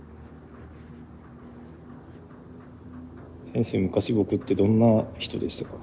先生昔僕ってどんな人でしたか？